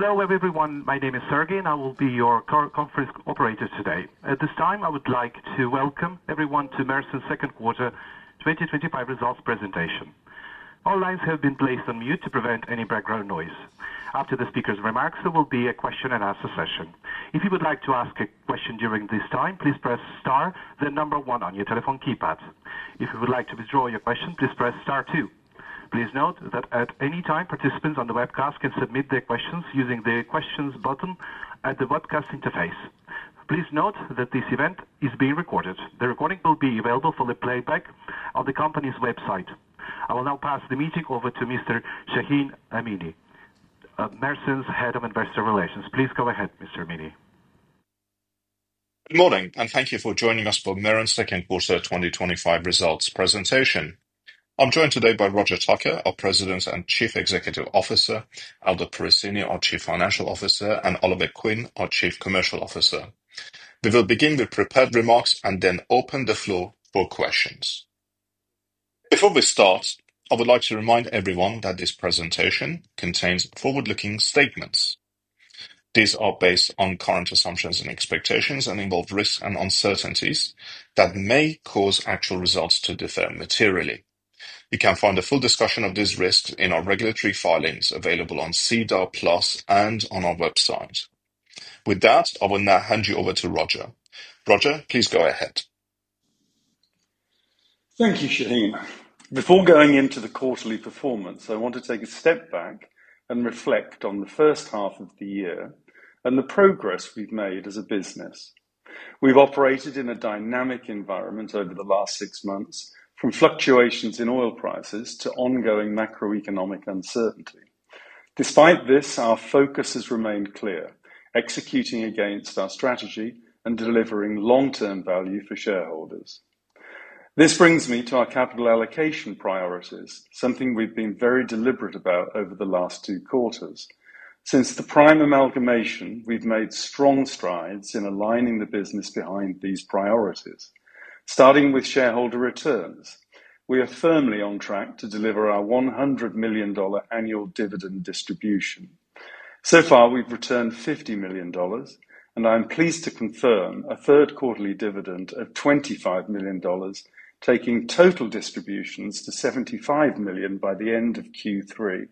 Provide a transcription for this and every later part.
Hello, everyone. My name is Sergei, and I will be your current conference operator today. At this time, I would like to welcome everyone to MEREN's Second Quarter 2025 Results Presentation. All lines have been placed on mute to prevent any background noise. After the speaker's remarks, there will be a question and answer session. If you would like to ask a question during this time, please press star, the number one on your telephone keypad. If you would like to withdraw your question, please press star two. Please note that at any time, participants on the webcast can submit their questions using the questions button at the webcast interface. Please note that this event is being recorded. The recording will be available for playback on the company's website. I will now pass the meeting over to Mr. Shahin Amini, MEREN's Head of Investor Relations. Please go ahead, Mr. Amini. Morning, and thank you for joining us for MEREN's Second Quarter 2025 Results Presentation. I'm joined today by Roger Tucker, our President and Chief Executive Officer, Aldo Perracini, our Chief Financial Officer, and Oliver Quinn, our Chief Commercial Officer. We will begin with prepared remarks and then open the floor for questions. Before we start, I would like to remind everyone that this presentation contains forward-looking statements. These are based on current assumptions and expectations and involve risks and uncertainties that may cause actual results to differ materially. You can find a full discussion of these risks in our regulatory filings available on SEDAR+ and on our website. With that, I will now hand you over to Roger. Roger, please go ahead. Thank you, Shahin. Before going into the quarterly performance, I want to take a step back and reflect on the first half of the year and the progress we've made as a business. We've operated in a dynamic environment over the last six months, from fluctuations in oil prices to ongoing macroeconomic uncertainty. Despite this, our focus has remained clear, executing against our strategy and delivering long-term value for shareholders. This brings me to our capital allocation priorities, something we've been very deliberate about over the last two quarters. Since the Prime amalgamation, we've made strong strides in aligning the business behind these priorities. Starting with shareholder returns, we are firmly on track to deliver our $100 million annual dividend distribution. So far, we've returned $50 million, and I'm pleased to confirm a third quarterly dividend of $25 million, taking total distributions to $75 million by the end of Q3.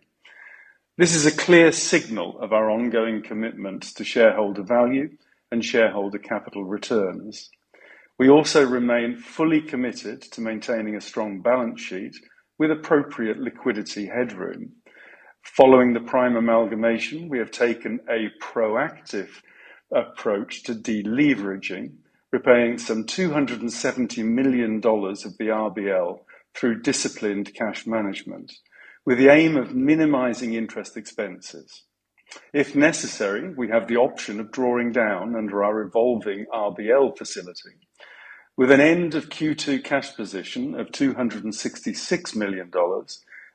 This is a clear signal of our ongoing commitment to shareholder value and shareholder capital returns. We also remain fully committed to maintaining a strong balance sheet with appropriate liquidity headroom. Following the Prime amalgamation, we have taken a proactive approach to deleveraging, repaying some $270 million of the RBL through disciplined cash management, with the aim of minimizing interest expenses. If necessary, we have the option of drawing down under our evolving RBL facility. With an end of Q2 cash position of $266 million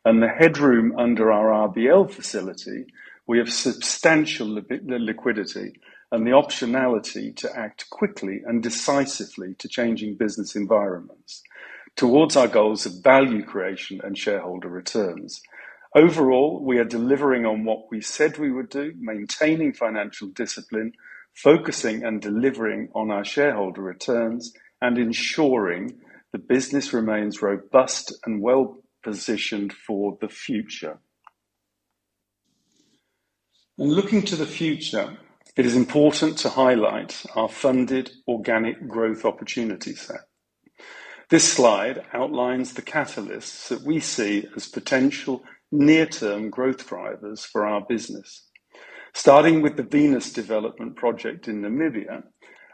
and the headroom under our RBL facility, we have substantial liquidity and the optionality to act quickly and decisively to changing business environments towards our goals of value creation and shareholder returns. Overall, we are delivering on what we said we would do, maintaining financial discipline, focusing and delivering on our shareholder returns, and ensuring the business remains robust and well-positioned for the future. Looking to the future, it is important to highlight our funded organic growth opportunity set. This slide outlines the catalysts that we see as potential near-term growth drivers for our business. Starting with the Venus development project in Namibia,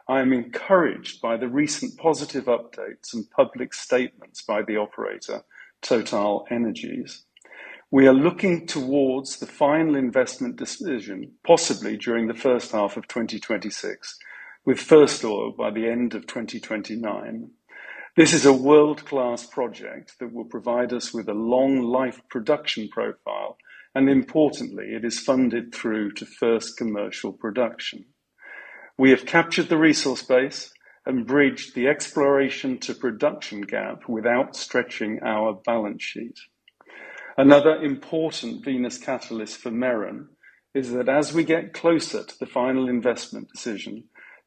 I am encouraged by the recent positive updates and public statements by the operator, TotalEnergies. We are looking towards the final investment decision, possibly during the first half of 2026, with first oil by the end of 2029. This is a world-class project that will provide us with a long-life production profile, and importantly, it is funded through to first commercial production. We have captured the resource base and bridged the exploration-to-production gap without stretching our balance sheet. Another important Venus catalyst for MEREN is that as we get closer to the final investment decision,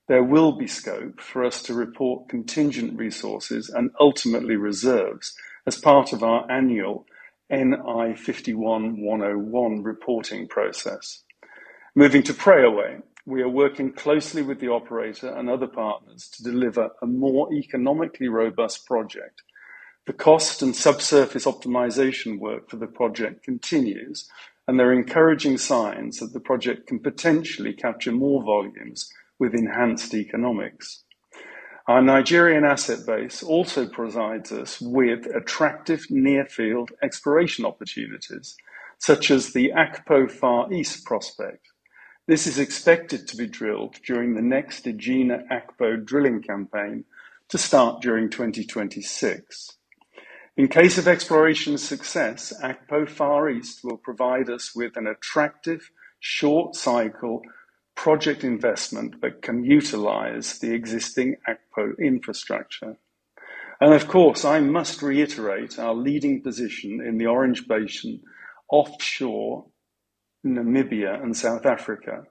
there will be scope for us to report contingent resources and ultimately reserves as part of our annual NI 51-101 reporting process. Moving to Preowei, we are working closely with the operator and other partners to deliver a more economically robust project. The cost and subsurface optimization work for the project continues, and there are encouraging signs that the project can potentially capture more volumes with enhanced economics. Our Nigerian asset base also provides us with attractive near-field exploration opportunities, such as the Akpo Far East prospect. This is expected to be drilled during the next Egina Akpo drilling campaign to start during 2026. In case of exploration success, Akpo Far East will provide us with an attractive short-cycle project investment that can utilize the existing Akpo infrastructure. I must reiterate our leading position in the Orange Basin offshore, Namibia and South Africa,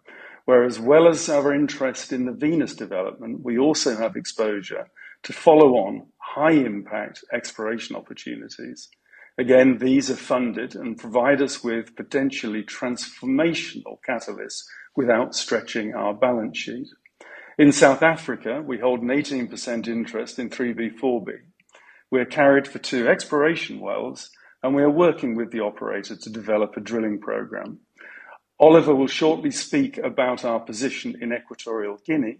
where as well as our interest in the Venus development, we also have exposure to follow-on high-impact exploration opportunities. These are funded and provide us with potentially transformational catalysts without stretching our balance sheet. In South Africa, we hold an 18% interest in 3B/4B. We're carried for two exploration wells, and we are working with the operator to develop a drilling program. Oliver will shortly speak about our position in Equatorial Guinea,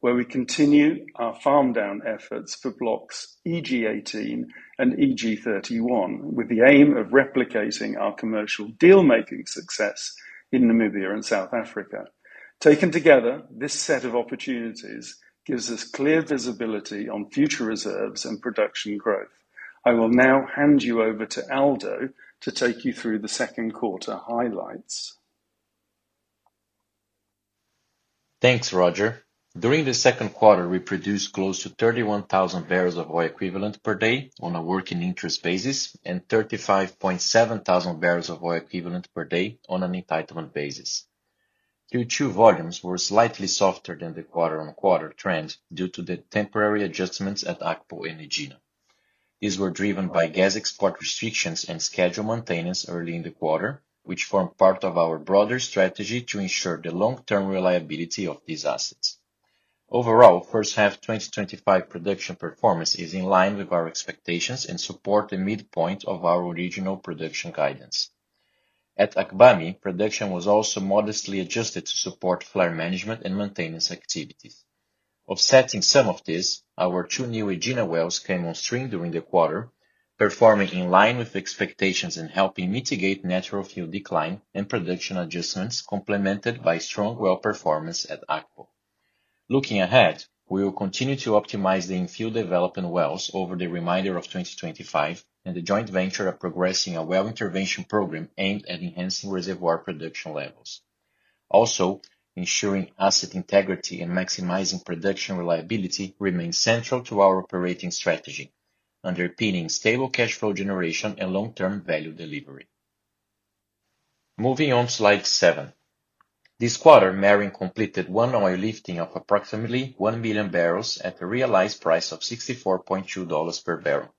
where we continue our farm-down efforts for Blocks EG-18 and EG-31, with the aim of replicating our commercial dealmaking success in Namibia and South Africa. Taken together, this set of opportunities gives us clear visibility on future reserves and production growth. I will now hand you over to Aldo to take you through the second quarter highlights. Thanks, Roger. During the second quarter, we produced close to 31,000 bbl of oil equivalent per day on a working interest basis and 35,700 bbl of oil equivalent per day on an entitlement basis. Q2 volumes were slightly softer than the quarter-on-quarter trend due to the temporary adjustments at Akpo and Egina. These were driven by gas export restrictions and scheduled maintenance early in the quarter, which formed part of our broader strategy to ensure the long-term reliability of these assets. Overall, first half 2025 production performance is in line with our expectations and supports the midpoint of our original production guidance. At Akbami, production was also modestly adjusted to support flare management and maintenance activities. Offsetting some of this, our two new Egina wells came on string during the quarter, performing in line with expectations and helping mitigate natural fuel decline and production adjustments, complemented by strong well performance at Akpo. Looking ahead, we will continue to optimize the infill development wells over the remainder of 2025 and the joint venture of progressing a well intervention program aimed at enhancing reservoir production levels. Also, ensuring asset integrity and maximizing production reliability remain central to our operating strategy, underpinning stable cash flow generation and long-term value delivery. Moving on to slide seven. This quarter, MEREN completed one oil lifting of approximately 1 million bbl at a realized price of $64.2 per barrel.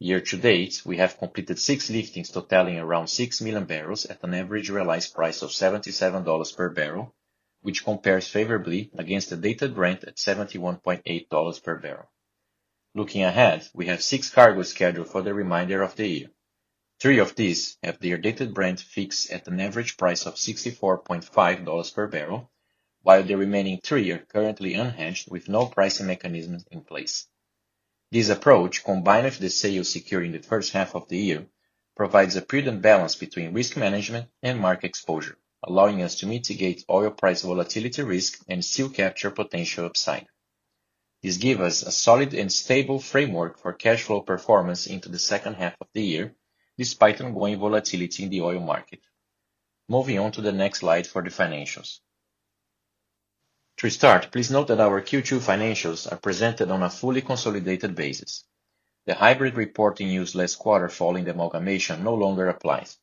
Year to date, we have completed six liftings, totaling around 6 million bbl at an average realized price of $77 per barrel, which compares favorably against the Dated Brent at $71.8 per barrel. Looking ahead, we have six cargo scheduled for the remainder of the year. Three of these have their Dated Brent fixed at an average price of $64.5 per barrel, while the remaining three are currently unhedged with no pricing mechanism in place. This approach, combined with the sale secured in the first half of the year, provides a prudent balance between risk management and market exposure, allowing us to mitigate oil price volatility risk and still capture potential upside. This gives us a solid and stable framework for cash flow performance into the second half of the year, despite ongoing volatility in the oil market. Moving on to the next slide for the financials. To start, please note that our Q2 financials are presented on a fully consolidated basis. The hybrid reporting used last quarter, following the amalgamation, no longer applies.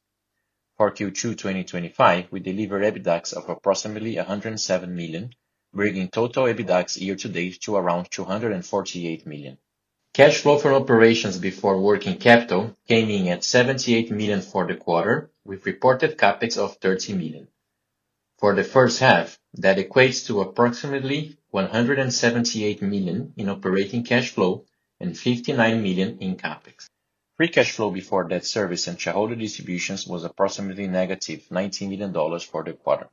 For Q2 2025, we delivered EBITDA of approximately $107 million, bringing total EBITDA year to date to around $248 million. Cash flow from operations before working capital came in at $78 million for the quarter, with reported CapEx of $30 million. For the first half, that equates to approximately $178 million in operating cash flow and $59 million in CapEx. Free cash flow before debt service and shareholder distributions was approximately $-19 million for the quarter.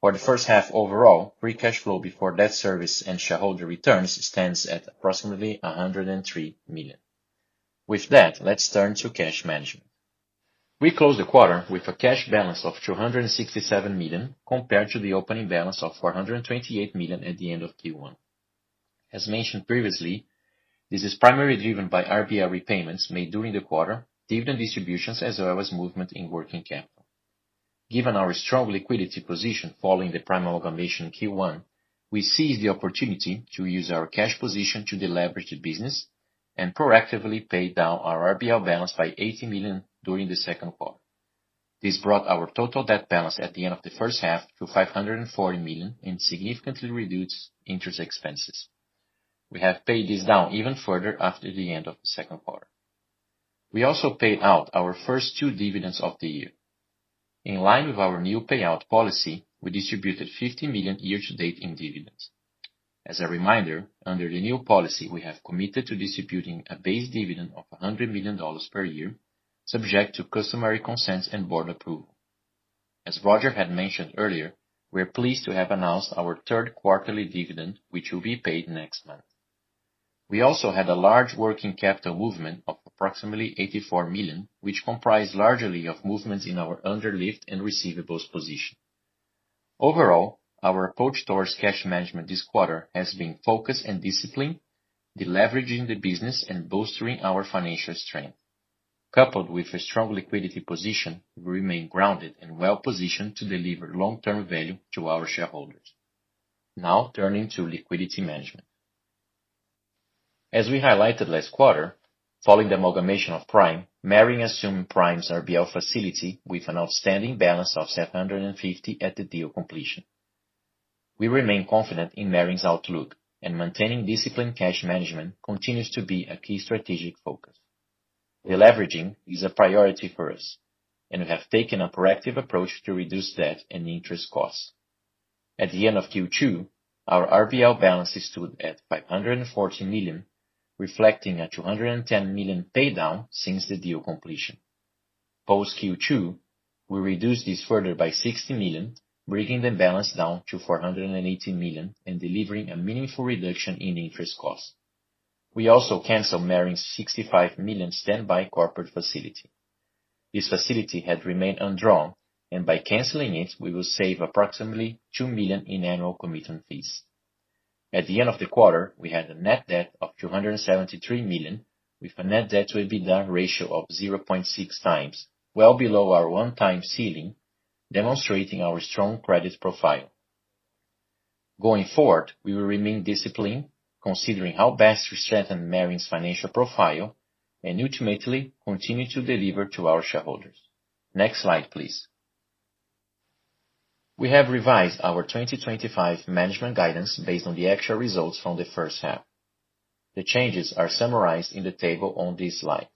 For the first half overall, free cash flow before debt service and shareholder returns stands at approximately $103 million. With that, let's turn to cash management. We closed the quarter with a cash balance of $267 million, compared to the opening balance of $428 million at the end of Q1. As mentioned previously, this is primarily driven by RBL repayments made during the quarter, dividend distributions, as well as movement in working capital. Given our strong liquidity position following the Prime amalgamation in Q1, we seize the opportunity to use our cash position to deleverage the business and proactively pay down our RBL balance by $80 million during the second quarter. This brought our total debt balance at the end of the first half to $540 million and significantly reduced interest expenses. We have paid this down even further after the end of the second quarter. We also paid out our first two dividends of the year. In line with our new payout policy, we distributed $50 million year to date in dividends. As a reminder, under the new policy, we have committed to distributing a base dividend of $100 million per year, subject to customary consent and board approval. As Roger had mentioned earlier, we are pleased to have announced our third quarterly dividend, which will be paid next month. We also had a large working capital movement of approximately $84 million, which comprised largely of movements in our underlift and receivables position. Overall, our approach towards cash management this quarter has been focused and disciplined, deleveraging the business and bolstering our financial strength. Coupled with a strong liquidity position, we remain grounded and well-positioned to deliver long-term value to our shareholders. Now turning to liquidity management. As we highlighted last quarter, following the amalgamation of Prime, MEREN assumed Prime's RBL facility with an outstanding balance of $750 million at the deal completion. We remain confident in MEREN's outlook, and maintaining disciplined cash management continues to be a key strategic focus. Deleveraging is a priority for us, and we have taken a proactive approach to reduce debt and interest costs. At the end of Q2, our RBL balance stood at $540 million, reflecting a $210 million paydown since the deal completion. Post-Q2, we reduced this further by $60 million, bringing the balance down to $418 million and delivering a meaningful reduction in interest costs. We also canceled MEREN's $65 million standby corporate facility. This facility had remained undrawn, and by canceling it, we will save approximately $2 million in annual committal fees. At the end of the quarter, we had a net debt of $273 million, with a net debt-to-EBITDA ratio of 0.6x, well below our 1x ceiling, demonstrating our strong credit profile. Going forward, we will remain disciplined, considering how best we strengthen MEREN's financial profile and ultimately continue to deliver to our shareholders. Next slide, please. We have revised our 2025 management guidance based on the actual results from the first half. The changes are summarized in the table on this slide.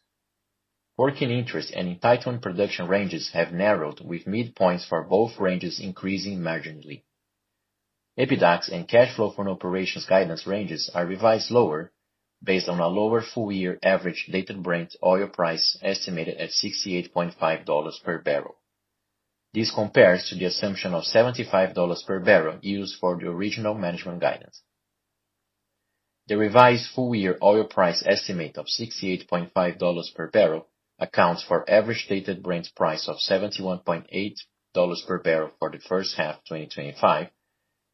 Working interest and entitlement production ranges have narrowed, with midpoints for both ranges increasing marginally. EBITDA and cash flow from operations guidance ranges are revised lower, based on a lower full-year average Dated Brent oil price estimated at $68.5 per barrel. This compares to the assumption of $75 per barrel used for the original management guidance. The revised full-year oil price estimate of $68.5 per barrel accounts for an average Dated Brent price of $71.8 per barrel for the first half of 2025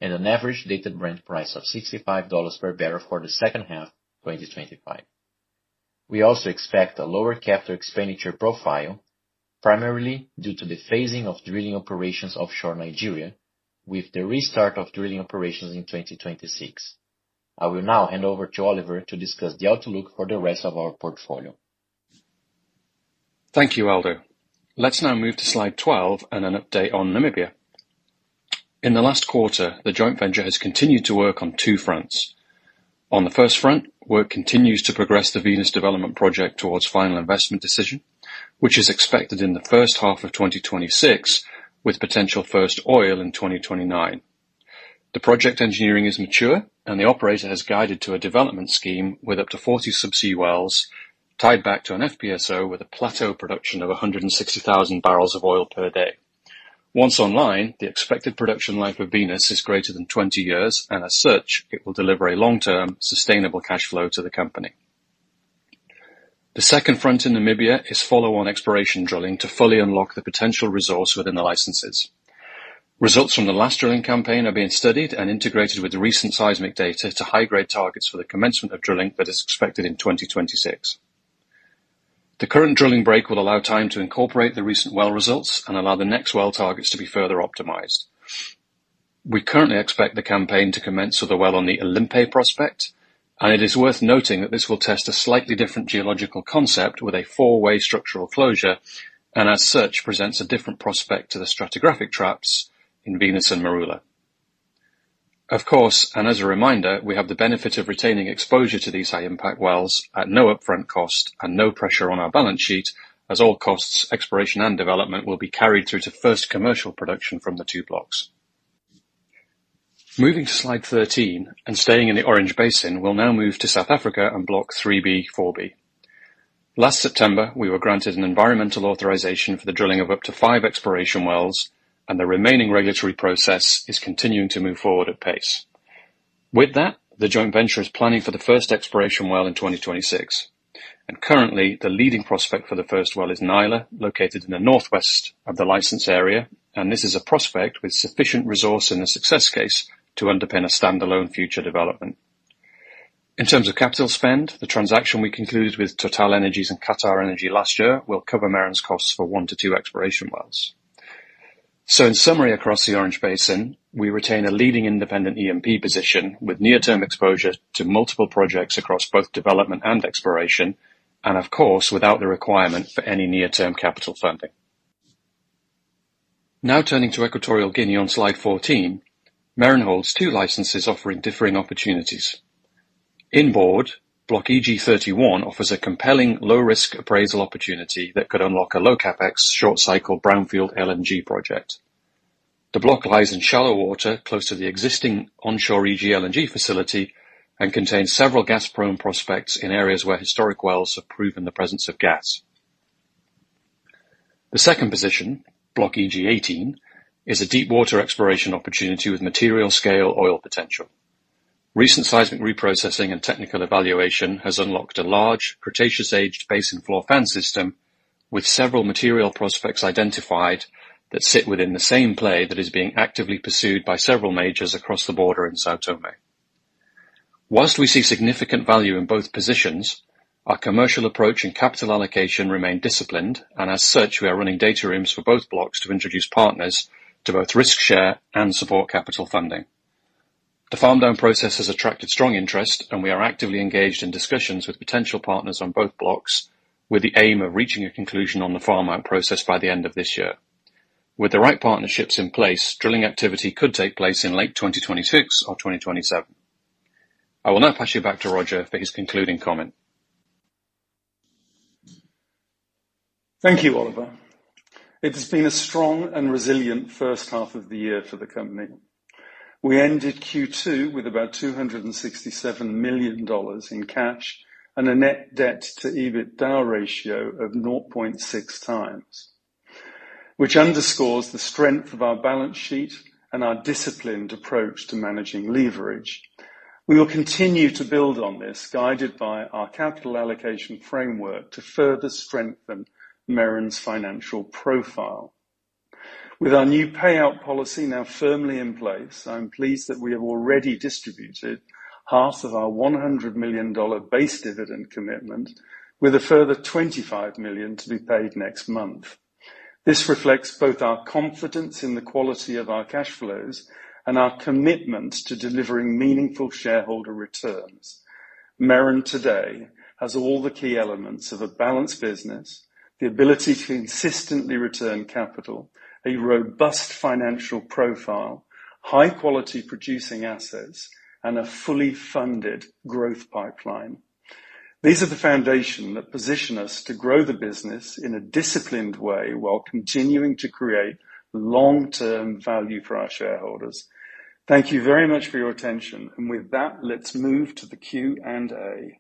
and an average Dated Brent price of $65 per barrel for the second half of 2025. We also expect a lower capital expenditure profile, primarily due to the phasing of drilling operations offshore in Nigeria, with the restart of drilling operations in 2026. I will now hand over to Oliver to discuss the outlook for the rest of our portfolio. Thank you, Aldo. Let's now move to slide 12 and an update on Namibia. In the last quarter, the joint venture has continued to work on two fronts. On the first front, work continues to progress the Venus development project towards final investment decision, which is expected in the first half of 2026, with potential first oil in 2029. The project engineering is mature, and the operator has guided to a development scheme with up to 40 subsea wells, tied back to an FPSO with a plateau production of 160,000 bbl of oil per day. Once online, the expected production life of Venus is greater than 20 years, and as such, it will deliver a long-term, sustainable cash flow to the company. The second front in Namibia is follow-on exploration drilling to fully unlock the potential resource within the licenses. Results from the last drilling campaign are being studied and integrated with recent seismic data to high-grade targets for the commencement of drilling that is expected in 2026. The current drilling break will allow time to incorporate the recent well results and allow the next well targets to be further optimized. We currently expect the campaign to commence with a well on the Olympe prospect, and it is worth noting that this will test a slightly different geological concept with a four-way structural closure, and as such, presents a different prospect to the stratigraphic traps in Venus and Maroula. Of course, and as a reminder, we have the benefit of retaining exposure to these high-impact wells at no upfront cost and no pressure on our balance sheet, as all costs, exploration, and development will be carried through to first commercial production from the two blocks. Moving to slide 13 and staying in the Orange Basin, we'll now move to South Africa and Block 3B/4B. Last September, we were granted an environmental authorization for the drilling of up to five exploration wells, and the remaining regulatory process is continuing to move forward at pace. With that, the joint venture is planning for the first exploration well in 2026, and currently, the leading prospect for the first well is Nyla, located in the northwest of the licensed area, and this is a prospect with sufficient resource in the success case to underpin a standalone future development. In terms of capital spend, the transaction we concluded with TotalEnergies and Qatar Energy last year will cover MEREN's costs for one to two exploration wells. In summary, across the Orange Basin, we retain a leading independent E&P position with near-term exposure to multiple projects across both development and exploration, and of course, without the requirement for any near-term capital funding. Now turning to Equatorial Guinea on slide 14, MEREN holds two licenses offering differing opportunities. Inboard, Block EG-31 offers a compelling low-risk appraisal opportunity that could unlock a low CapEx short-cycle brownfield LNG project. The block lies in shallow water close to the existing onshore EG LNG facility and contains several gas-prone prospects in areas where historic wells have proven the presence of gas. The second position, Block EG-18, is a deep water exploration opportunity with material-scale oil potential. Recent seismic reprocessing and technical evaluation have unlocked a large Cretaceous-aged basin floor fan system with several material prospects identified that sit within the same play that is being actively pursued by several majors across the border in São Tomé. Whilst we see significant value in both positions, our commercial approach and capital allocation remain disciplined, and as such, we are running data rooms for both blocks to introduce partners to both risk share and support capital funding. The farm-down process has attracted strong interest, and we are actively engaged in discussions with potential partners on both blocks, with the aim of reaching a conclusion on the farm-out process by the end of this year. With the right partnerships in place, drilling activity could take place in late 2026 or 2027. I will now pass you back to Roger for his concluding comment. Thank you, Oliver. It has been a strong and resilient first half of the year for the company. We ended Q2 with about $267 million in cash and a net debt-to-EBITDA ratio of 0.6x, which underscores the strength of our balance sheet and our disciplined approach to managing leverage. We will continue to build on this, guided by our capital allocation framework to further strengthen MEREN's financial profile. With our new payout policy now firmly in place, I'm pleased that we have already distributed half of our $100 million base dividend commitment, with a further $25 million to be paid next month. This reflects both our confidence in the quality of our cash flows and our commitment to delivering meaningful shareholder returns. MEREN today has all the key elements of a balanced business, the ability to consistently return capital, a robust financial profile, high-quality producing assets, and a fully funded growth pipeline. These are the foundations that position us to grow the business in a disciplined way while continuing to create long-term value for our shareholders. Thank you very much for your attention, and with that, let's move to the Q&A.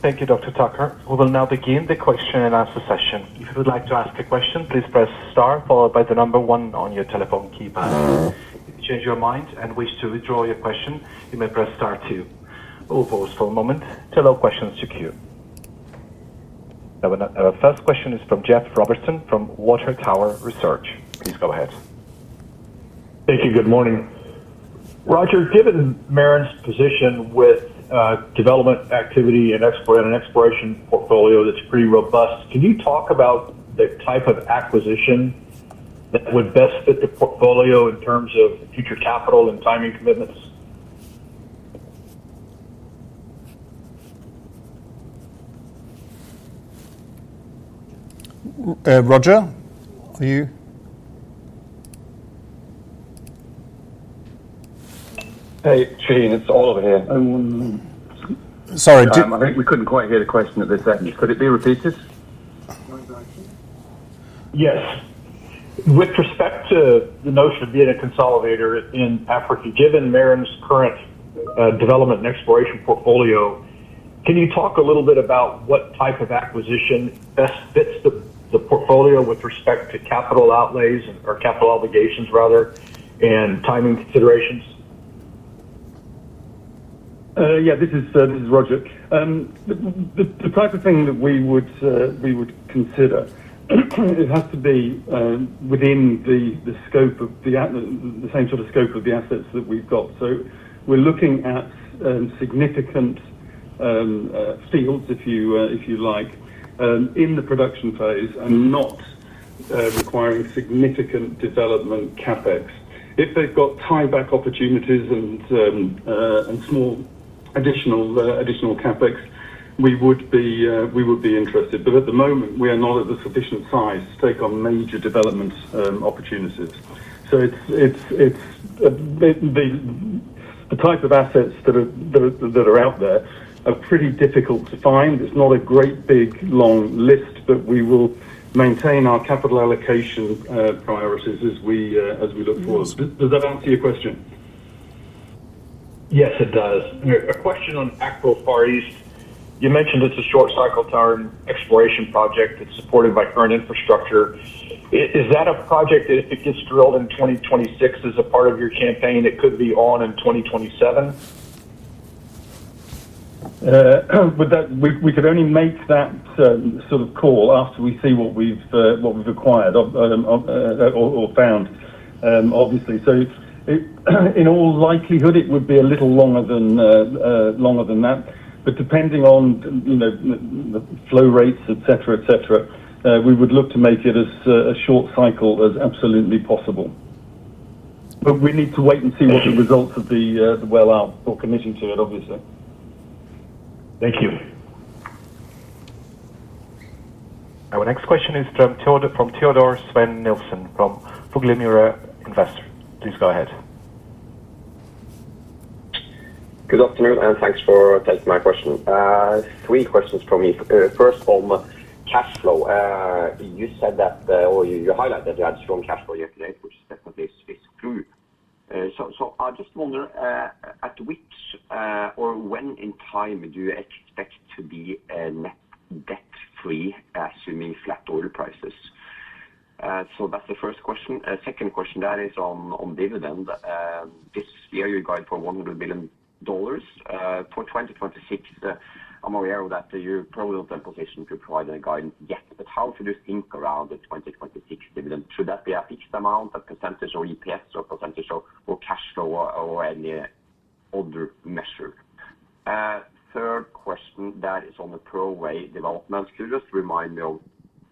Thank you, Dr. Tucker. We will now begin the question and answer session. If you would like to ask a question, please press star followed by the number one on your telephone keypad. If you change your mind and wish to withdraw your question, you may press star two. We'll pause for a moment to allow questions to queue. Our first question is from Jeff Robertson from Water Tower Research. Please go ahead. Thank you. Good morning. Roger, given MEREN's position with development activity and an exploration portfolio that's pretty robust, can you talk about the type of acquisition that would best fit the portfolio in terms of future capital and timing commitments? Roger, for you? Hey, Shahin, it's Oliver here. Sorry I think we couldn't quite hear the question at this end. Could it be repeated? Yes. With respect to the notion of being a consolidator in Africa, given MEREN's current development and exploration portfolio, can you talk a little bit about what type of acquisition best fits the portfolio with respect to capital outlays or capital obligations, rather, and timing considerations? Yeah, this is Roger. The type of thing that we would consider, it has to be within the same sort of scope of the assets that we've got. We're looking at significant fields, if you like, in the production phase and not requiring significant development CapEx. If they've got tieback opportunities and small additional CapEx, we would be interested. At the moment, we are not at the sufficient size to take on major development opportunities. The types of assets that are out there are pretty difficult to find. It's not a great big long list, but we will maintain our capital allocation priorities as we look forward. Does that answer your question? Yes, it does. A question on Akpo Far East. You mentioned it's a short-cycle exploration project that's supported by current infrastructure. Is that a project that if it gets drilled in 2026 as a part of your campaign, it could be on in 2027? We could only make that sort of call after we see what we've acquired or found, obviously. In all likelihood, it would be a little longer than that. Depending on the flow rates, we would look to make it as a short cycle as absolutely possible. We need to wait and see what the results of the well are before committing to it, obviously. Thank you. Our next question is from Teodor Sveen-Nilsen from Fuglemyra Invest. Please go ahead. Good afternoon, and thanks for taking my question. Three questions from me. First, on cash flow, you said that or you highlighted that you had a strong cash flow year to date, which is definitely true. I just wonder, at which or when in time do you expect to be net debt-free, assuming flat oil prices? That's the first question. The second question is on dividend. This year you're going for $100 million. For 2026, I'm aware that you probably don't have a position to provide any guidance yet, but how should you think around the 2026 dividend? Should that be a fixed amount, a percentage of EPS, or a percentage of cash flow, or any other measure? Third question is on the Preowei development. Could you just remind me of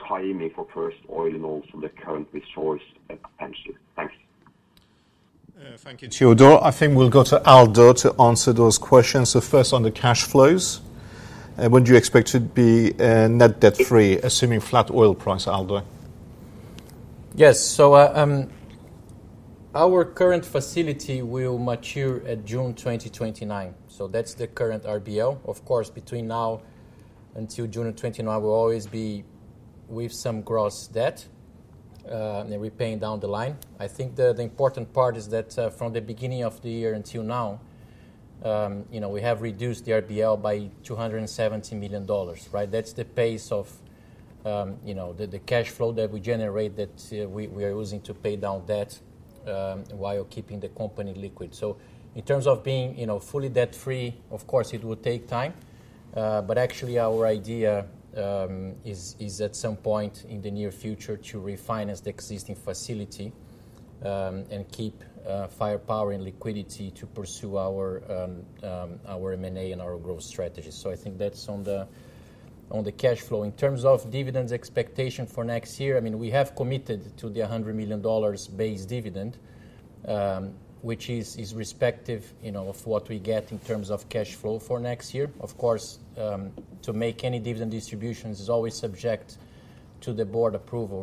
timing for first oil and also the current resource expansion? Thanks. Thank you, Teodor. I think we'll go to Aldo to answer those questions. First on the cash flows, when do you expect to be net debt-free, assuming flat oil price, Aldo? Yes, so our current facility will mature at June 2029. That's the current RBL. Of course, between now until June of 2029, we'll always be with some gross debt and repaying down the line. I think the important part is that from the beginning of the year until now, we have reduced the RBL by $270 million. That's the pace of the cash flow that we generate that we are using to pay down debt while keeping the company liquid. In terms of being fully debt-free, it will take time. Actually, our idea is at some point in the near future to refinance the existing facility and keep firepower and liquidity to pursue our M&A and our growth strategy. That's on the cash flow. In terms of dividends expectation for next year, we have committed to the $100 million base dividend, which is respective of what we get in terms of cash flow for next year. To make any dividend distributions is always subject to the board approval,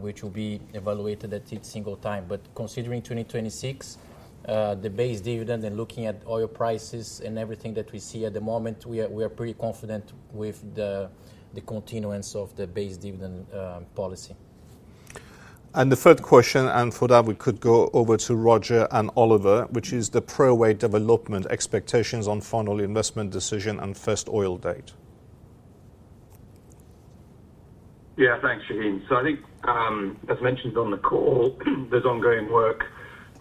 which will be evaluated at each single time. Considering 2026, the base dividend and looking at oil prices and everything that we see at the moment, we are pretty confident with the continuance of the base dividend policy. The third question, and for that, we could go over to Roger and Oliver, which is the Preowei development expectations on final investment decision and first oil date. Yeah, thanks, Shahin. I think, as mentioned on the call, there's ongoing work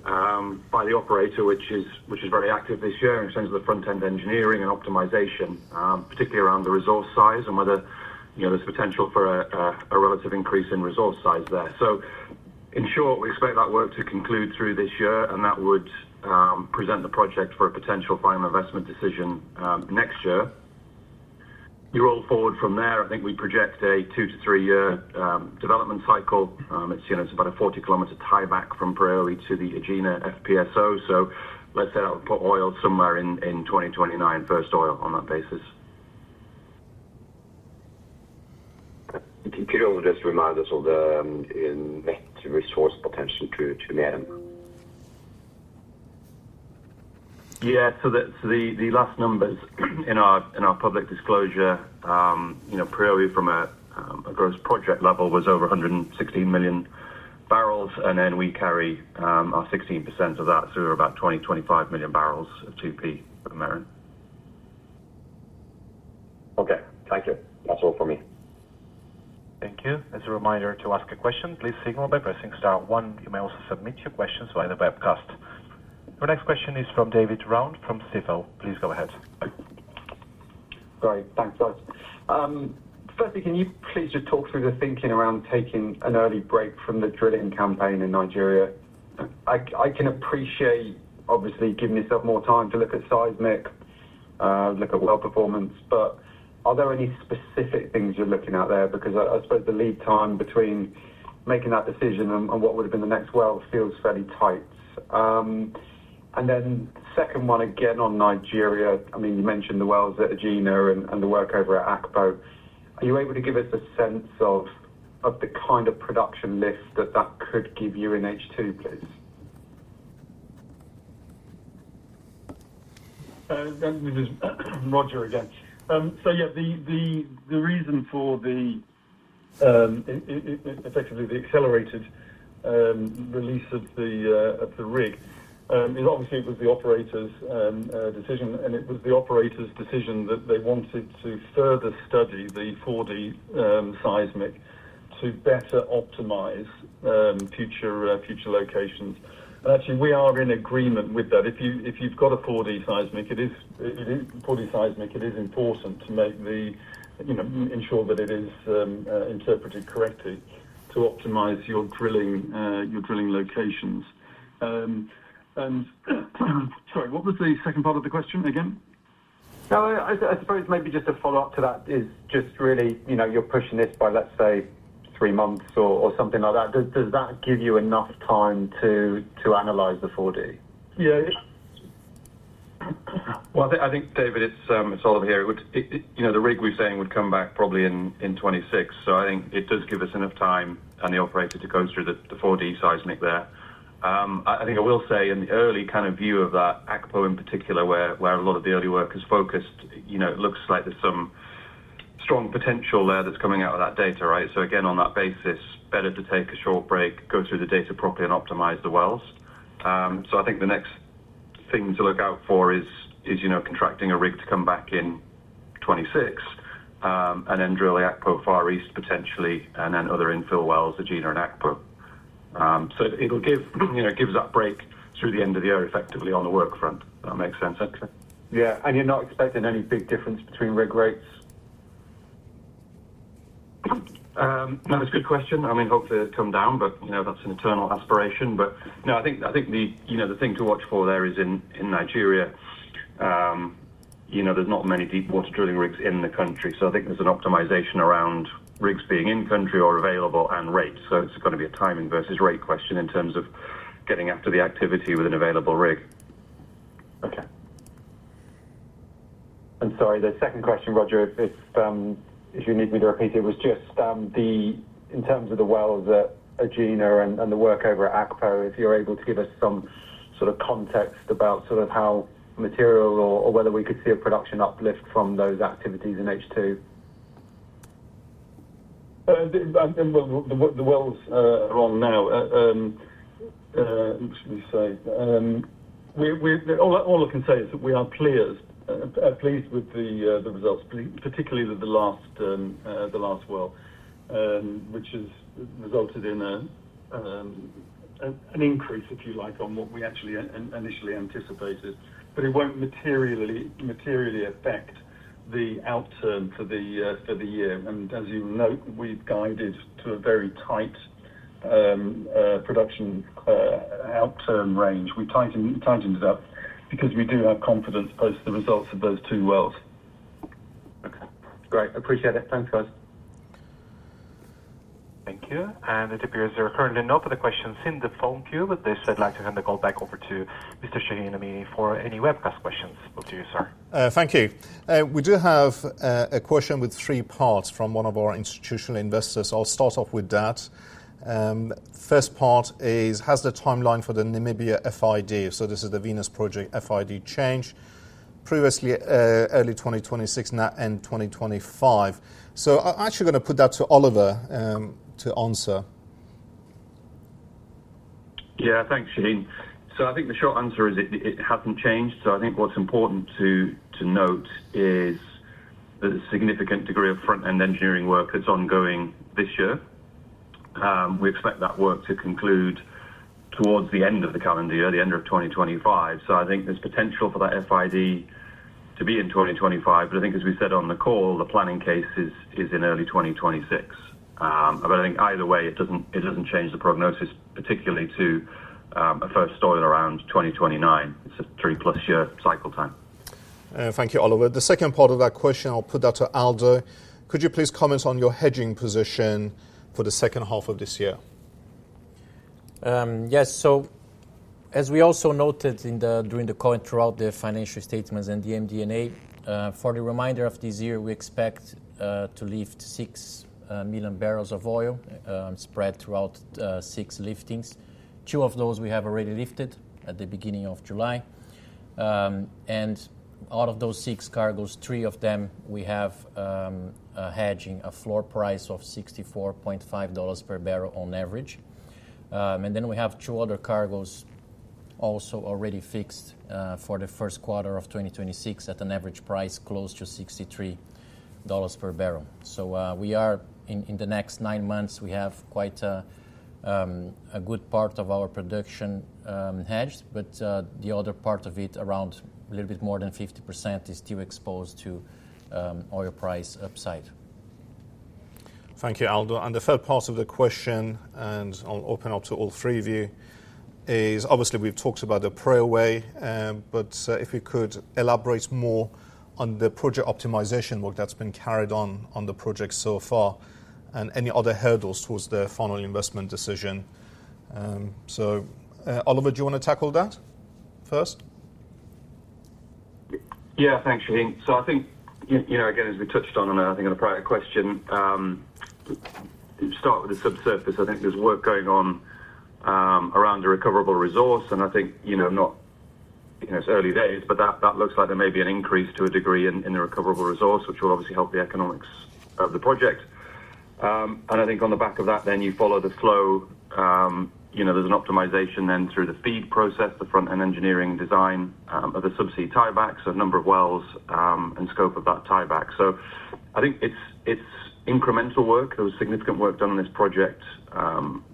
by the operator, which is very active this year in terms of the front-end engineering and optimization, particularly around the resource size and whether there's potential for a relative increase in resource size there. In short, we expect that work to conclude through this year, and that would present the project for a potential final investment decision next year. You roll forward from there. I think we project a two to three-year development cycle. It's about a 40-km tieback from Preowei to the Egina FPSO. Let's say I'll put oil somewhere in 2029, first oil on that basis. Could you also just remind us of the net resource potential to MEREN? Yeah, so the last numbers in our public disclosure, Preowei, from a gross project level, was over 116 million bbl, and then we carry our 16% of that through about 20 million bbl, 25 million bbl of 2P MEREN. Okay, thank you. That's all for me. Thank you. As a reminder, to ask a question, please signal by pressing star one. You may also submit your questions via the webcast. Our next question is from David Round from Stifel. Please go ahead. Sorry, thanks, Roger. Firstly, can you please just talk through the thinking around taking an early break from the drilling campaign in Nigeria? I can appreciate, obviously, giving yourself more time to look at seismic, look at well performance, but are there any specific things you're looking at there? I suppose the lead time between making that decision and what would have been the next well feels fairly tight. The second one again on Nigeria, I mean, you mentioned the wells at Egina and the workover at Akpo. Are you able to give us a sense of the kind of production lift that that could give you in H2, please? Roger, again. The reason for the effectively the accelerated release of the rig, obviously, it was the operator's decision, and it was the operator's decision that they wanted to further study the 4D seismic to better optimize future locations. We are in agreement with that. If you've got a 4D seismic, it is important to make sure that it is interpreted correctly to optimize your drilling locations. Sorry, what was the second part of the question again? I suppose maybe just a follow-up to that is just really, you know, you're pushing this by, let's say, three months or something like that. Does that give you enough time to analyze the 4D? Yeah. I think, David, it's Oliver here. You know, the rig we're saying would come back probably in 2026. I think it does give us enough time on the operator to go through the 4D seismic there. I will say in the early kind of view of that Akpo in particular, where a lot of the early work is focused, it looks like there's some strong potential there that's coming out of that data, right? Again, on that basis, better to take a short break, go through the data properly, and optimize the wells. I think the next thing to look out for is contracting a rig to come back in 2026 and then drilling Akpo Far East potentially, and then other infill wells, Egina and Akpo. It'll give, you know, it gives that break through the end of the year effectively on the work front. Does that make sense? Yeah, you're not expecting any big difference between rig rates? That was a good question. I mean, hopefully, it'll come down, but you know, that's an eternal aspiration. I think the thing to watch for there is in Nigeria, you know, there's not many deep water drilling rigs in the country. I think there's an optimization around rigs being in the country or available and rate. It's going to be a timing versus rate question in terms of getting after the activity with an available rig. Sorry, the second question, Roger, if you need me to repeat it, was just in terms of the wells at Egina and the workover at Akpo, if you're able to give us some sort of context about sort of how material or whether we could see a production uplift from those activities in H2. The wells are on now. All I can say is that we are clear, at least with the results, particularly the last well, which has resulted in an increase, if you like, on what we actually initially anticipated. It won't materially affect the outturn for the year. As you note, we've guided to a very tight production outturn range. We tightened it up because we do have confidence post the results of those two wells. Okay. Great. Appreciate it. Thanks, Roger. Thank you. It appears there are currently no other questions in the phone queue. At this time, I'd like to hand the call back over to Mr. Shahin Amini for any webcast questions. Over to you, sir. Thank you. We do have a question with three parts from one of our institutional investors. I'll start off with that. First part is, has the timeline for the Namibia FID, so this is the Venus project FID, changed previously early 2026 and 2025? I'm actually going to put that to Oliver to answer. Yeah, thanks, Shahin. I think the short answer is it hasn't changed. I think what's important to note is that a significant degree of front-end engineering work is ongoing this year. We expect that work to conclude towards the end of the calendar year, the end of 2025. I think there's potential for that FID to be in 2025. As we said on the call, the planning case is in early 2026. Either way, it doesn't change the prognosis, particularly to a first oil around 2029. It's a three-plus-year cycle time. Thank you, Oliver. The second part of that question, I'll put that to Aldo. Could you please comment on your hedging position for the second half of this year? Yes. As we also noted during the call throughout the financial statements and the MDNA, for the remainder of this year, we expect to lift 6 million bbl of oil spread throughout six liftings. Two of those we have already lifted at the beginning of July. Out of those six cargoes, three of them we have hedging a floor price of $64.50 per barrel on average. We have two other cargoes also already fixed for the first quarter of 2026 at an average price close to $63 per barrel. In the next nine months, we have quite a good part of our production hedged, but the other part of it, around a little bit more than 50%, is still exposed to oil price upside. Thank you, Aldo. The third part of the question, and I'll open up to all three of you, is obviously we've talked about the Preowei, but if we could elaborate more on the project optimization work that's been carried on on the project so far, and any other hurdles towards the final investment decision. Oliver, do you want to tackle that first? Yeah, thanks, Shahin. I think, as we touched on, and I think in the prior question, to start with the subsurface, there's work going on around a recoverable resource. It's early days, but that looks like there may be an increase to a degree in the recoverable resource, which will obviously help the economics of the project. On the back of that, you follow the flow. There's an optimization then through the FEED process, the front-end engineering design of the subsea tiebacks, so number of wells and scope of that tieback. I think it's incremental work. There was significant work done on this project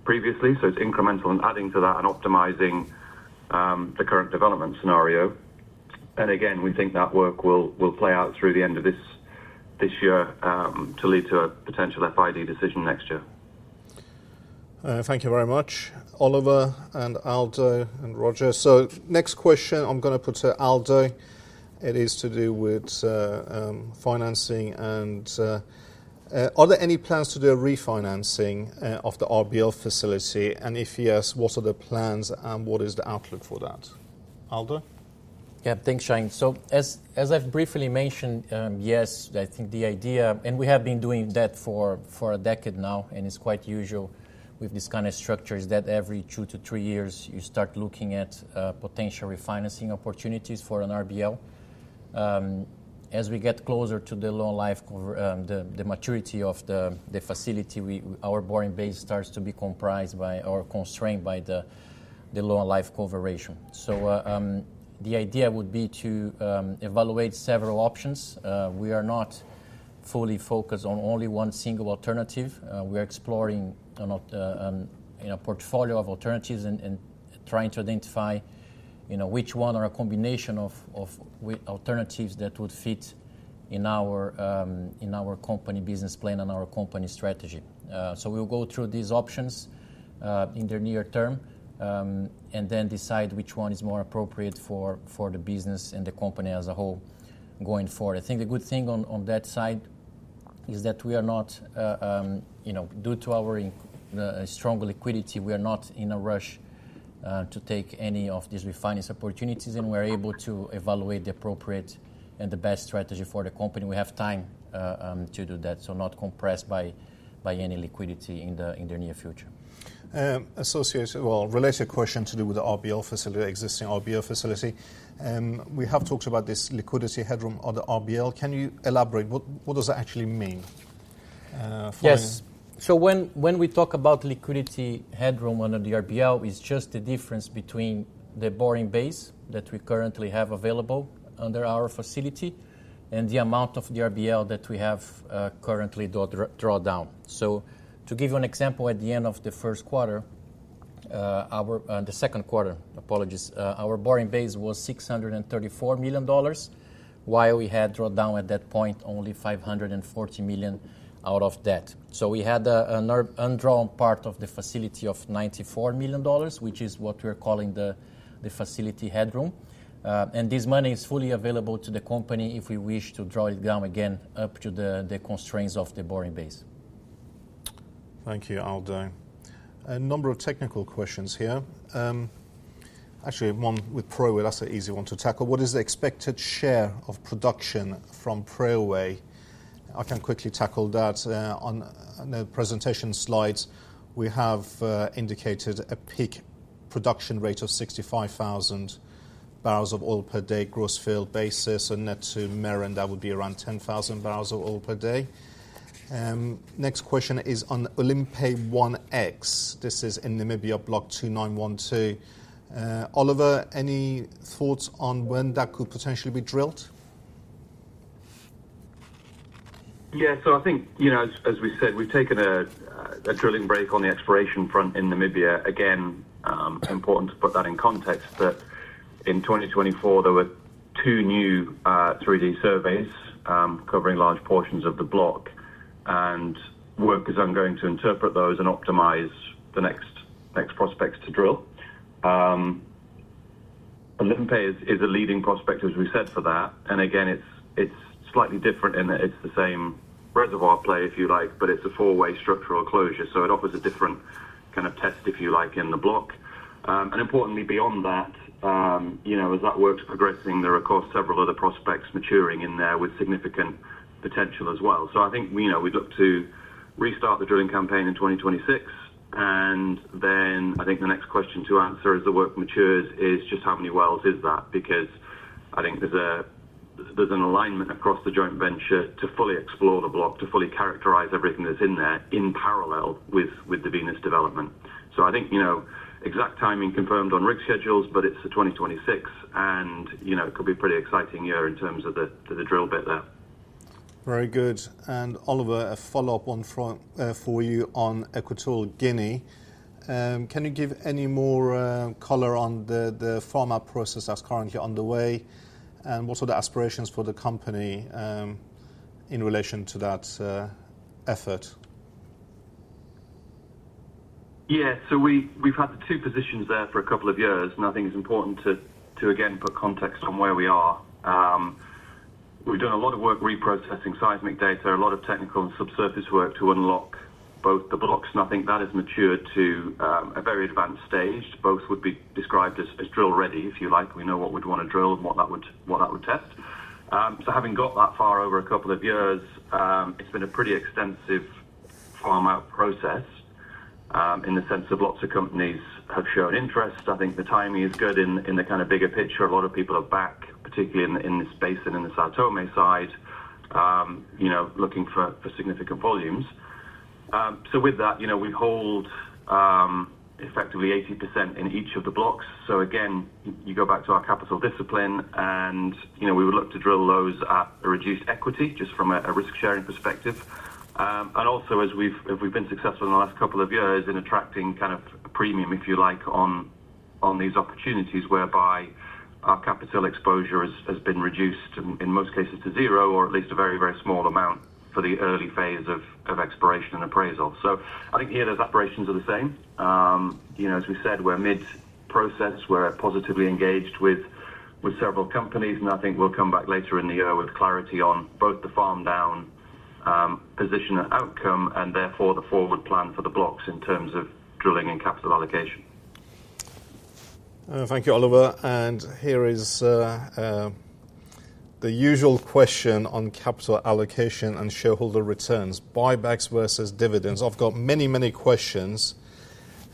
previously, so it's incremental and adding to that and optimizing the current development scenario. We think that work will play out through the end of this year to lead to a potential FID decision next year. Thank you very much, Oliver and Aldo and Roger. Next question, I'm going to put to Aldo. It is to do with financing and are there any plans to do a refinancing of the RBL facility? If yes, what are the plans and what is the outlook for that? Aldo? Yeah, thanks, Shahin. As I've briefly mentioned, I think the idea, and we have been doing that for a decade now, and it's quite usual with this kind of structure, is that every two to three years you start looking at potential refinancing opportunities for an RBL. As we get closer to the low-life, the maturity of the facility, our borrowing base starts to be comprised or constrained by the low-life coverage. The idea would be to evaluate several options. We are not fully focused on only one single alternative. We are exploring a portfolio of alternatives and trying to identify, you know, which one or a combination of alternatives would fit in our company business plan and our company strategy. We'll go through these options in the near term and then decide which one is more appropriate for the business and the company as a whole going forward. I think the good thing on that side is that we are not, you know, due to our strong liquidity, in a rush to take any of these refinance opportunities and we're able to evaluate the appropriate and the best strategy for the company. We have time to do that, not compressed by any liquidity in the near future. Related question to do with the RBL facility, the existing RBL facility, we have talked about this liquidity headroom on the RBL. Can you elaborate? What does that actually mean? Yes. When we talk about liquidity headroom under the RBL, it's just the difference between the borrowing base that we currently have available under our facility and the amount of the RBL that we have currently drawn down. To give you an example, at the end of the first quarter, our borrowing base was $634 million, while we had drawn down at that point only $540 million out of debt. We had an undrawn part of the facility of $94 million, which is what we are calling the facility headroom. This money is fully available to the company if we wish to draw it down again up to the constraints of the borrowing base. Thank you, Aldo. A number of technical questions here. Actually, one with Preowei, that's an easy one to tackle. What is the expected share of production from Preowei? I can quickly tackle that. On the presentation slides, we have indicated a peak production rate of 65,000 bbl of oil per day, gross field basis, and net to MEREN, that would be around 10,000 bbl of oil per day. Next question is on Olympe-1X. This is in Namibia, Block 2912. Oliver, any thoughts on when that could potentially be drilled? Yeah, I think, as we said, we've taken a drilling break on the exploration front in Namibia. It's important to put that in context, but in 2024, there were two new 3D surveys covering large portions of the block, and work is ongoing to interpret those and optimize the next prospects to drill. Olympe is a leading prospect, as we said, for that. It's slightly different in that it's the same reservoir play, if you like, but it's a four-way structural closure. It offers a different kind of test, if you like, in the block. Importantly, beyond that, as that work is progressing, there are, of course, several other prospects maturing in there with significant potential as well. I think we'd look to restart the drilling campaign in 2026. The next question to answer as the work matures is just how many wells is that, because I think there's an alignment across the joint venture to fully explore the block, to fully characterize everything that's in there in parallel with the Venus development. Exact timing confirmed on rig schedules, but it's 2026, and it could be a pretty exciting year in terms of the drill bit there. Very good. Oliver, a follow-up for you on Equatorial Guinea. Can you give any more color on the farm-down process that's currently underway and what are the aspirations for the company in relation to that effort? Yeah, we've had the two positions there for a couple of years, and I think it's important to again put context on where we are. We've done a lot of work reprocessing seismic data, a lot of technical and subsurface work to unlock both the blocks, and I think that has matured to a very advanced stage. Both would be described as drill-ready, if you like. We know what we'd want to drill and what that would test. Having got that far over a couple of years, it's been a pretty extensive farm-out process in the sense that lots of companies have shown interest. I think the timing is good in the bigger picture. A lot of people are back, particularly in this basin and the São Tomé side, looking for significant volumes. We hold effectively 80% in each of the blocks. You go back to our capital discipline, and we would look to drill those at a reduced equity just from a risk-sharing perspective. Also, we've been successful in the last couple of years in attracting kind of a premium, if you like, on these opportunities whereby our capital exposure has been reduced in most cases to zero or at least a very, very small amount for the early phase of exploration and appraisal. I think the year-to-year operations are the same. As we said, we're mid-process. We're positively engaged with several companies, and I think we'll come back later in the year with clarity on both the farm-down position and outcome, and therefore the forward plan for the blocks in terms of drilling and capital allocation. Thank you, Oliver. Here is the usual question on capital allocation and shareholder returns, buybacks versus dividends. I've got many, many questions.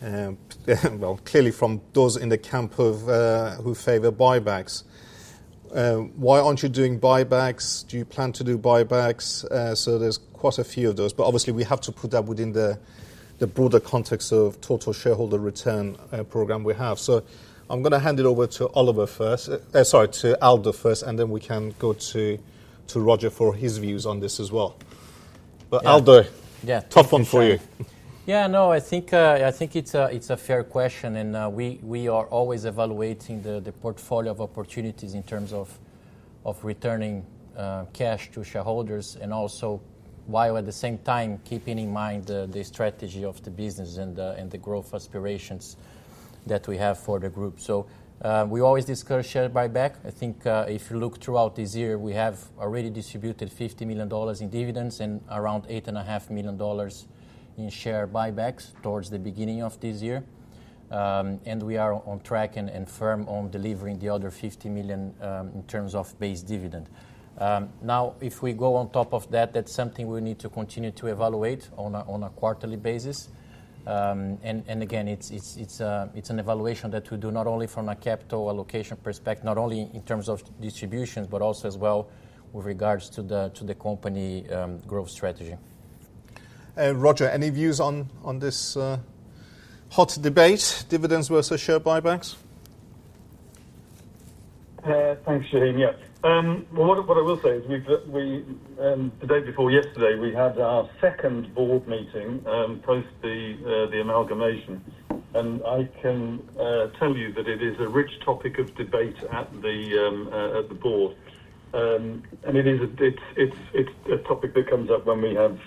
Clearly, from those in the camp who favor buybacks, why aren't you doing buybacks? Do you plan to do buybacks? There are quite a few of those, but obviously we have to put that within the broader context of the total shareholder return program we have. I'm going to hand it over to Aldo first, and then we can go to Roger for his views on this as well. Aldo, yeah, top one for you. Yeah, no, I think it's a fair question, and we are always evaluating the portfolio of opportunities in terms of returning cash to shareholders and also, while at the same time keeping in mind the strategy of the business and the growth aspirations that we have for the group. We always discuss share buyback. I think if you look throughout this year, we have already distributed $50 million in dividends and around $8.5 million in share buybacks towards the beginning of this year. We are on track and firm on delivering the other $50 million in terms of base dividend. If we go on top of that, that's something we need to continue to evaluate on a quarterly basis. Again, it's an evaluation that we do not only from a capital allocation perspective, not only in terms of distribution, but also as well with regards to the company growth strategy. Roger, any views on this hot debate, dividends versus share buybacks? Thanks, Shahin. What I will say is today before yesterday, we had our second board meeting post the amalgamation. I can tell you that it is a rich topic of debate at the board, and it is a topic that comes up when we have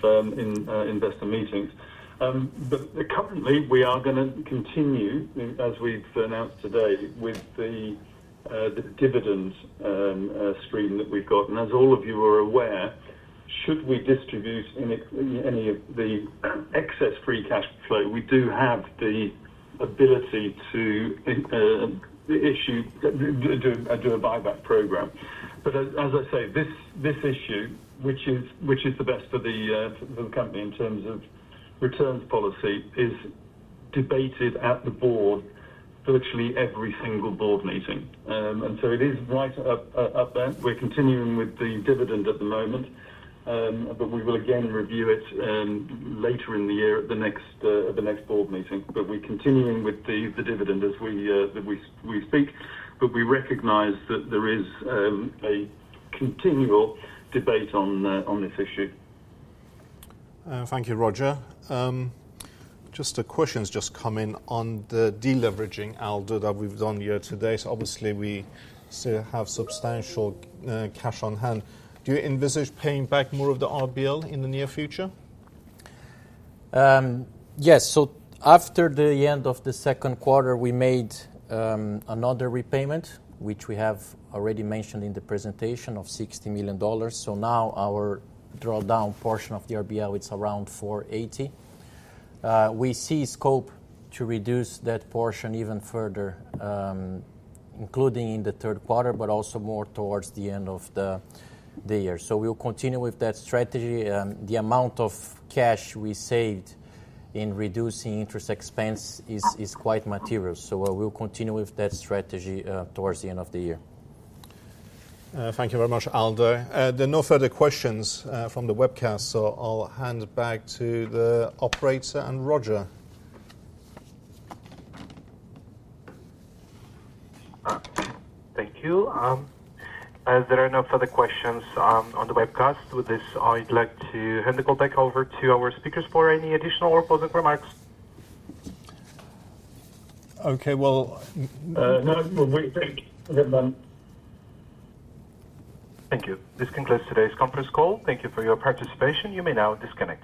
investor meetings. Currently, we are going to continue, as we've announced today, with the dividend stream that we've got. As all of you are aware, should we distribute any of the excess free cash flow, we do have the ability to issue a buyback program. This issue, which is the best for the company in terms of returns policy, is debated at the board virtually every single board meeting, so it is right up there. We're continuing with the dividend at the moment, and we will again review it later in the year at the next board meeting. We're continuing with the dividend as we speak, and we recognize that there is a continual debate on this issue. Thank you, Roger. Just a question has just come in on the deleveraging, Aldo, that we've done year to date. Obviously, we still have substantial cash on hand. Do you envisage paying back more of the RBL in the near future? Yes. After the end of the second quarter, we made another repayment, which we have already mentioned in the presentation, of $60 million. Now our drawdown portion of the RBL is around $480 million. We see scope to reduce that portion even further, including in the third quarter, and also more towards the end of the year. We'll continue with that strategy. The amount of cash we saved in reducing interest expense is quite material. We'll continue with that strategy towards the end of the year. Thank you very much, Aldo. There are no further questions from the webcast, so I'll hand back to the operator and Roger. Thank you. There are no further questions on the webcast. With this, I'd like to hand the call back over to our speakers for any additional or closing remarks. Okay, well. Thank you. This concludes today's conference call. Thank you for your participation. You may now disconnect.